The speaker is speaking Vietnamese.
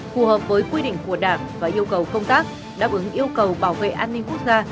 phù hợp với quy định của đảng và yêu cầu công tác đáp ứng yêu cầu bảo vệ an ninh quốc gia